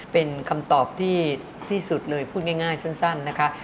เป็นคำตอบที่ที่สุดเลยพูดง่ายสั้นนะคะ